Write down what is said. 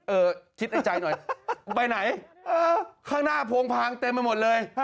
เออคิดในใจหน่อยไปไหนข้างหน้าโพงพางเต็มไปหมดเลย